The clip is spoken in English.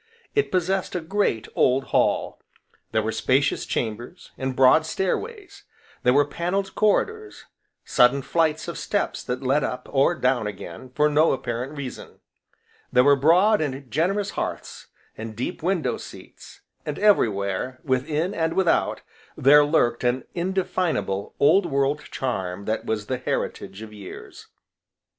It possessed a great, old hall; there were spacious chambers, and broad stairways; there were panelled corridors; sudden flights of steps that led up, or down again, for no apparent reason; there were broad, and generous hearths, and deep window seats; and everywhere, within, and without, there lurked an indefinable, old world charm that was the heritage of years.